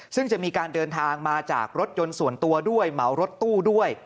ซึ่งจะมีการเดินทางมาจากรถยนต์ส่วนตัวด้วยเหมารถตู้ด้วย